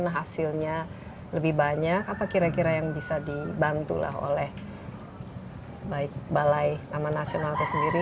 hasilnya lebih banyak apa kira kira yang bisa dibantu lah oleh baik balai nama nasional itu sendiri